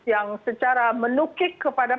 yang secara menukik kepada